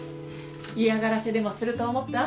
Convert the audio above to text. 嫌がらせでもすると思った？